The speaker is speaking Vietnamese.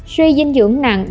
suy dinh dưỡng nặng